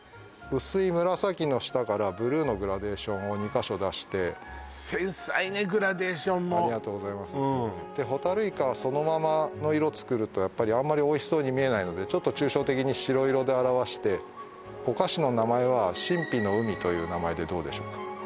薄い紫の下からブルーのグラデーションを２か所出して繊細ねグラデーションもありがとうございますでホタルイカはそのままの色を作るとやっぱりあんまりおいしそうに見えないのでちょっと抽象的に白色で表してお菓子の名前はという名前でどうでしょうか？